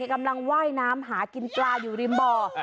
กำลังว่ายน้ำหากินปลาอยู่ริมบ่อ